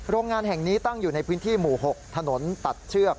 โรงงานแห่งนี้ตั้งอยู่ในพื้นที่หมู่๖ถนนตัดเชือก